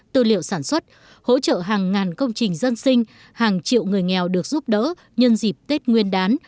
tư liệu sản xuất hỗ trợ hàng ngàn công trình dân sinh hàng triệu người nghèo được giúp đỡ nhân dịp tết nguyên đán